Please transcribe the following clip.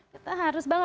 kita harus bangga